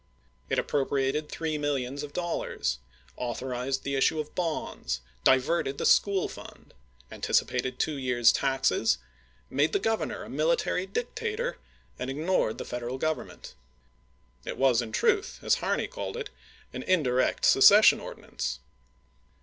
It appropriated three millions of dollars ; authorized the issue of bonds ; diverted the school fund; anticipated two years' taxes ; made the governor a military dictator, and ignored the Federal Grovernment. It was in truth, as Harney called it, " an indu'ect secession ordinance."